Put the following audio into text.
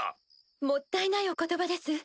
もったいないお言葉です。